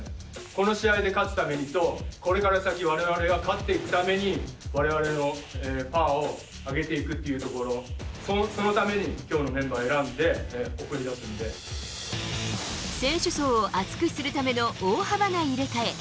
この試合で勝つためにと、これから先、われわれが勝っていくために、われわれのパワーを上げていくというところ、そのためにきょうの選手層を厚くするための大幅な入れ替え。